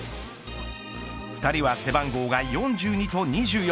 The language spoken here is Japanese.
２人は背番号が４２と２４。